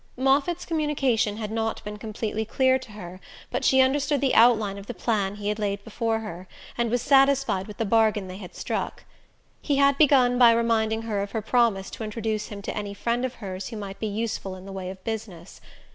Moffatt's communication had not been completely clear to her, but she understood the outline of the plan he had laid before her, and was satisfied with the bargain they had struck. He had begun by reminding her of her promise to introduce him to any friend of hers who might be useful in the way of business.